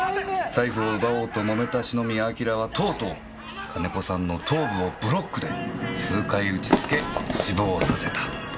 財布を奪おうともめた篠宮彬はとうとう金子さんの頭部をブロックで数回打ちつけ死亡させた。